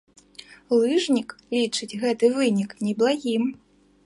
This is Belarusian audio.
Лыжнік лічыць гэты вынік неблагім.